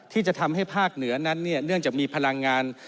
ที่จะทำให้ภาคเหนือนั้นเนื่องจากมีพลังงาน